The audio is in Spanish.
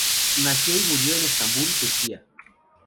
Nació y murió en Estambul, Turquía.